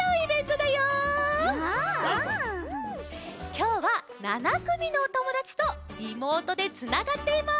きょうは７くみのおともだちとリモートでつながっています！